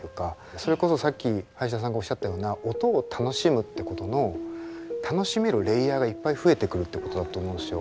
それこそさっき林田さんがおっしゃったような音を楽しむってことの楽しめるレイヤーがいっぱい増えてくるってことだと思うんですよ。